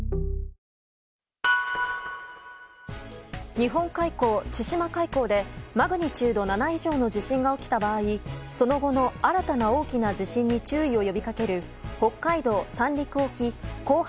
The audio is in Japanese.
日本海溝・千島海溝でマグニチュード７以上の地震が起きた場合その後の新たな大きな地震に注意を呼びかける北海道・三陸沖後発